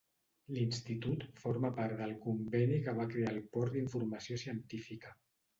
L'institut forma part del conveni que va crear el Port d'Informació Científica.